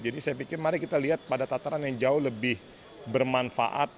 jadi saya pikir mari kita lihat pada tataran yang jauh lebih bermanfaat